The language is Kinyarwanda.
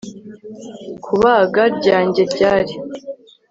Kubaga ryanjye ryari